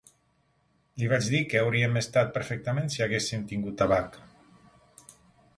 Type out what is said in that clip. Li vaig dir que hauríem estat perfectament si haguéssim tingut tabac